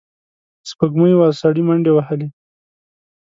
سپوږمۍ وه، سړی منډې وهلې.